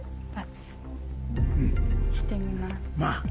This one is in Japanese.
してみます。